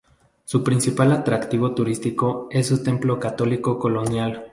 Su principal atractivo turístico es su templo católico colonial.